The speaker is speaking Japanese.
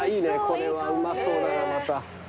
これはうまそうだなまた。